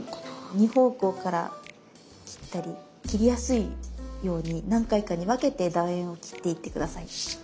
二方向から切ったり切りやすいように何回かに分けてだ円を切っていって下さい。